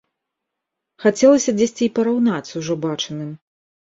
Хацелася дзесьці і параўнаць з ужо бачаным.